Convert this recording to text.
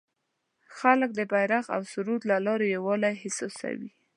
خلک د بیرغ او سرود له لارې یووالی احساسوي.